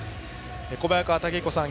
小早川毅彦さん